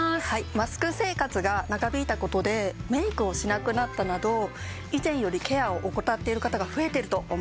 マスク生活が長引いた事でメイクをしなくなったなど以前よりケアを怠っている方が増えていると思います。